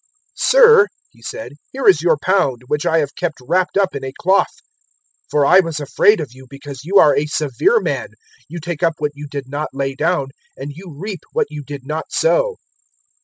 "`Sir,' he said, `here is your pound, which I have kept wrapt up in a cloth. 019:021 For I was afraid of you, because you are a severe man: you take up what you did not lay down, and you reap what you did not sow.'